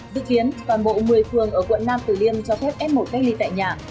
dự kiến toàn bộ một mươi phường ở quận nam tử liêm cho phép f một cách ly tại nhà